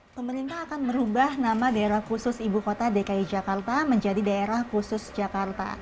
pemerintah akan merubah nama daerah khusus ibu kota dki jakarta menjadi daerah khusus jakarta